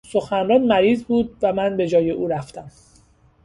سخنران مریض بود و من به جای او رفتم.